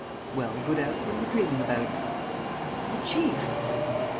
"Well, Gourel, what are you dreaming about?" "The chief!"